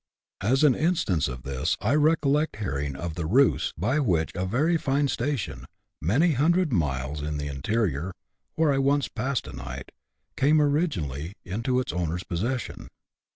As an instance of this I recollect hearing of the ruse by which c 18 BUSH LIFE IN AUSTRALIA. [chap. ii. a very fine station, many hundred miles in the interior (where I once passed a night), came originally into its owner's possession.